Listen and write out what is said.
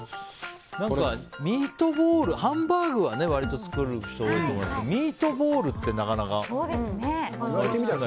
何かハンバーグは割と作る人多いと思いますけどミートボールってなかなか。